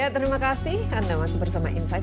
terima kasih anda masih bersama insight